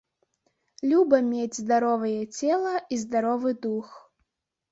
Люба мець здаровае цела і здаровы дух.